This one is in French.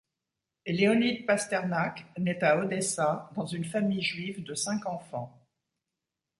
Léonid Pasternak nait à Odessa dans une famille juive de cinq enfants.